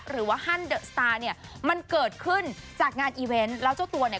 ฮั่นเดอะสตาร์เนี่ยมันเกิดขึ้นจากงานอีเวนต์แล้วเจ้าตัวเนี่ย